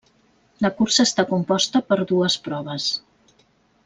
La cursa està composta per dues proves.